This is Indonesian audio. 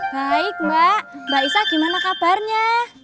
baik mbak mbak isa gimana kabarnya